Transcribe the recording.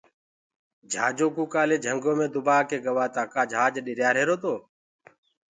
جھاجو ڪوُ ڪآلي جھنگو مينٚ دُبآ ڪيِ گوآ تآ ڪآ جھاج ڏِريآريهِرو تو